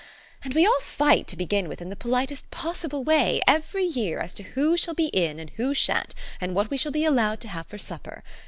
And we all fight, to begin with, in the politest possible way, every year, as to who shall be in, and who sha'n't, and what we shall be allowed to have for supper.